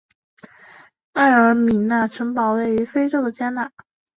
埃尔米纳城堡位于非洲的加纳。